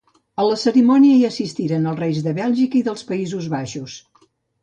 A la cerimònia hi assistiren els reis de Bèlgica i dels Països Baixos.